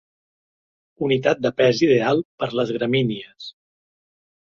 Unitat de pes ideal per a les gramínies.